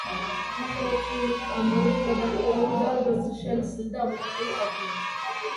ნახევარწრიული კამარით გადახურული დარბაზი შელესილი და მოხატული ყოფილა.